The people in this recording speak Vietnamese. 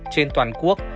trên toàn quốc